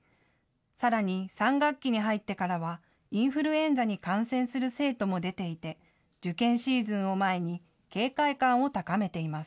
さらに３学期に入ってからはインフルエンザに感染する生徒も出ていて、受験シーズンを前に警戒感を高めています。